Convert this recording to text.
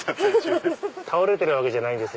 倒れてるわけじゃないです。